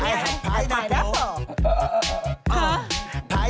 อะไรสักอย่างนั่นแหละน้องชอบมากเลย